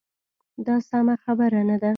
دا سمه خبره نه ده.